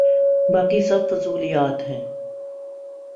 باقی سب فضولیات ہیں۔